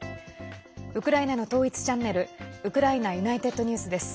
ウクライナの統一チャンネルウクライナＵｎｉｔｅｄＮｅｗｓです。